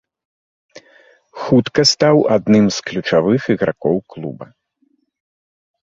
Хутка стаў адным з ключавых ігракоў клуба.